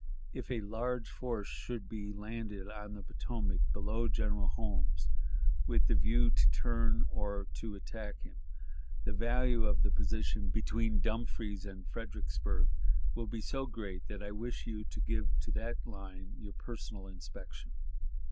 "... If a large force should be landed on the Potomac below General Holmes, with the view to turn or to attack him, the value of the position between Dumfries and Fredericksburg will be so great that I wish you to give to that line your personal inspection.